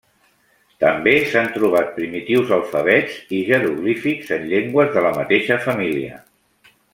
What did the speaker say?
També s'han trobat primitius alfabets i jeroglífics en llengües de la mateixa família.